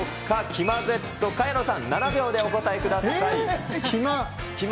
きまＺ、萱野さん、７秒でお答えください。